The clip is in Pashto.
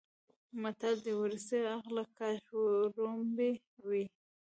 متل دی: ورستیه عقله کاش وړومبی وی.